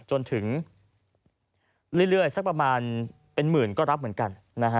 จนถึงเรื่อยสักประมาณเป็นหมื่นก็รับเหมือนกัน